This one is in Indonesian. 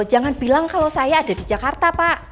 jangan bilang kalau saya ada di jakarta pak